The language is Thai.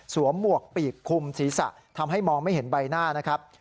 หมวกปีกคุมศีรษะทำให้มองไม่เห็นใบหน้านะครับ